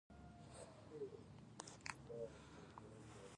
افغانستان تر هغو نه ابادیږي، ترڅو ځوانان له هیواده تېښتې ته زړه ښه نکړي.